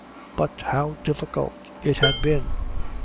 But how difficult it had been.